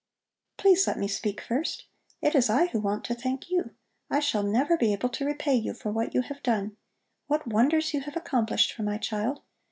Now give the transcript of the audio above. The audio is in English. "Please let me speak first! It is I who want to thank you. I shall never be able to repay you for what you have done. What wonders you have accomplished for my child!